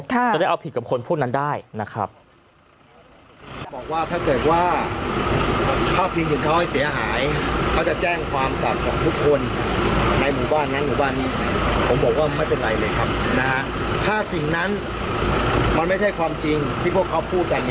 จะได้เอาผิดกับคนพวกนั้นได้นะครับ